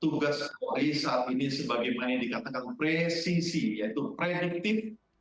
tugas polis saat ini sebagaimana yang dikatakan presisi yaitu produktif